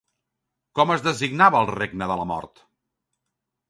Com es designava el regne de la mort?